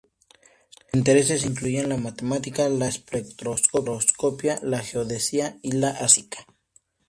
Sus intereses incluían la matemática, la espectroscopia, la geodesia y la astrofísica.